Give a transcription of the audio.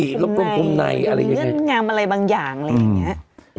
มีรับรวมคุมในอะไรอย่างเงี้ยไงมีเงินงามอะไรบางอย่างอะไรอย่างเงี้ย